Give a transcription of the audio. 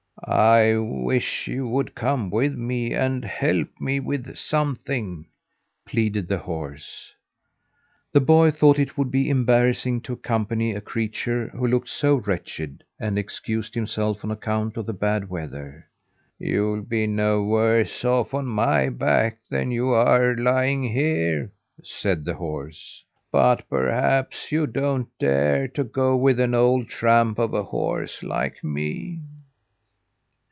"I wish you would come with me and help me with something," pleaded the horse. The boy thought it would be embarrassing to accompany a creature who looked so wretched, and excused himself on account of the bad weather. "You'll be no worse off on my back than you are lying here," said the horse. "But perhaps you don't dare to go with an old tramp of a horse like me."